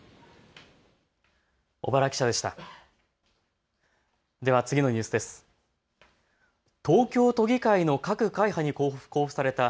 小原記者でした。